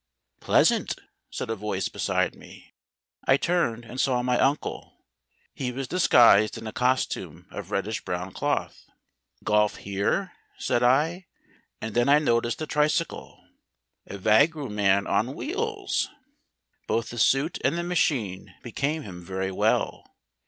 "Pleasant," said a voice beside me. I turned, and saw my uncle. He was disguised in a costume of reddish brown cloth. "Golf here?" said I, and then I noticed the tricycle. "A vagrom man on wheels!" Both the suit and the machine became him very well.